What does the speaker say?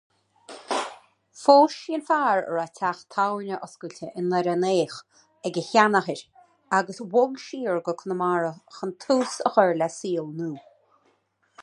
Phós sí an fear a raibh teach tábhairne oscailte i nDoire an Fhéich ag a sheanathair agus bhog siar go Conamara chun tús a chur le saol nua.